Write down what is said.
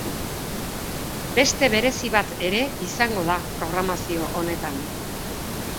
Beste berezi bat ere izango da programazio honetan.